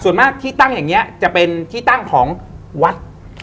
ส่วนมากที่ตั้งอย่างนี้จะเป็นที่ตั้งของวัด